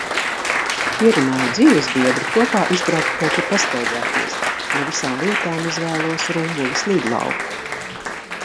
Pierunāju dzīvesbiedru kopā izbraukt kaut kur pastaigāties, no visām vietām izvēlos Rumbulas lidlauku.